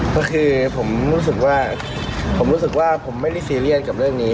ก็คือผมรู้สึกว่าผมไม่ได้ซีเรียนกับเรื่องนี้